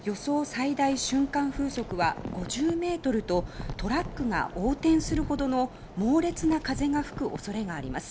最大瞬間風速は５０メートルとトラックが横転するほどの猛烈な風が吹く恐れがあります。